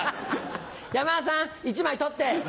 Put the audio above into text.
山田さん１枚取って。